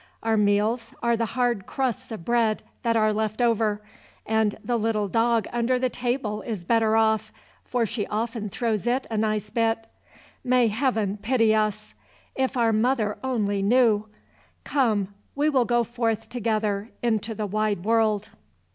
Our meals are the hard crusts of bread that are left over; and the little dog under the table is better off, for she often throws it a nice bit. May Heaven pity us. If our mother only knew! Come, we will go forth together into the wide world."